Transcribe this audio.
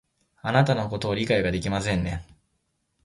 あなたのことを理解ができませんね